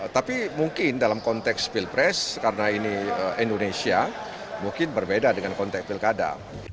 tapi mungkin dalam konteks pilpres karena ini indonesia mungkin berbeda dengan konteks pilkada